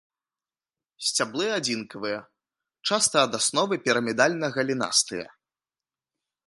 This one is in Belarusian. Сцяблы адзінкавыя, часта ад асновы пірамідальна-галінастыя.